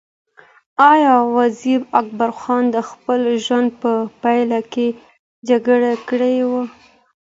ایا وزیر اکبر خان د خپل ژوند په پیل کې جګړه کړې وه؟